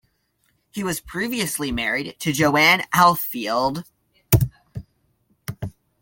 He was previously married to Joanne Ahlfield.